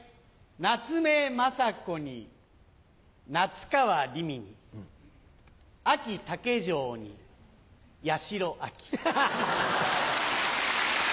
夏目雅子に夏川りみにあき竹城に八代亜紀。